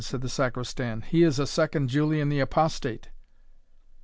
said the Sacristan, "he is a second Julian the Apostate."